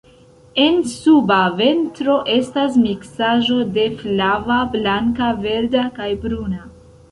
En suba ventro estas miksaĵo de flava, blanka, verda kaj bruna.